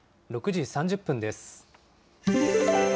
６時３０分です。